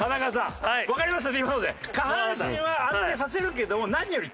下半身は安定させるけども何より。